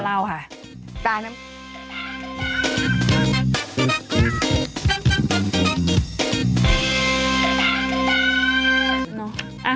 ตาน้ำ